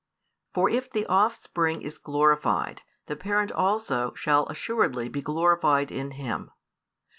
For if the Offspring is glorified, the Parent also shall assuredly be glorified in Him.